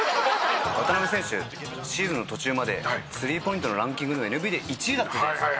渡邊選手シーズンの途中までスリーポイントのランキングＮＢＡで１位だったじゃないですか。